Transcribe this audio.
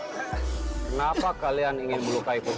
kenapa kalian ingin melukai pun